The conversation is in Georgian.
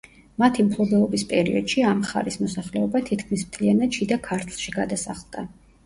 მათი მფლობელობის პერიოდში ამ მხარის მოსახლეობა თითქმის მთლიანად შიდა ქართლში გადასახლდა.